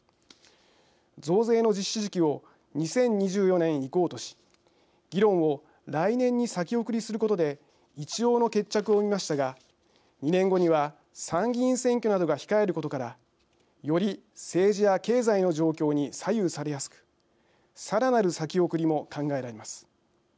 増税の実施時期を２０２４年以降とし議論を来年に先送りすることで一応の決着をみましたが２年後には参議院選挙などが控えることからより政治や経済の状況に左右されやすくさらなる先送りも考えられます。